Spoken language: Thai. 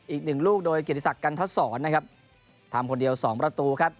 อีกหนึ่งลูกโดยเกียรติศักดิ์กันทศรนะครับทำคนเดียวสองประตูครับ